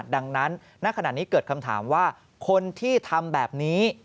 ดังนั้นณขณะนี้เกิดคำถามว่าคนที่ทำแบบนี้